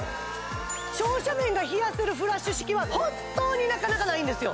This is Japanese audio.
照射面が冷やせるフラッシュ式は本当になかなかないんですよ